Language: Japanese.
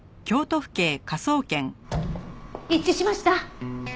一致しました！